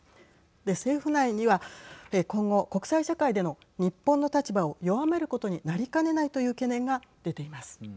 政府内には今後国際社会での日本の立場を弱めることになりかねないという懸念が出ています。